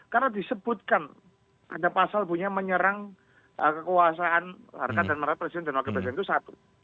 karena disebutkan ada pasal punya menyerang kekuasaan harkat dan martabat presiden dan wakil presiden itu satu